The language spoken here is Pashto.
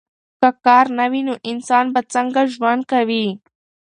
که کار نه وي نو انسان به څنګه ژوند کوي؟